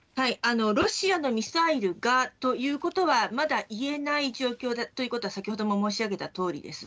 ロシアのミサイルが、ということはまだ言えない状況だということは先ほども申し上げたとおりです。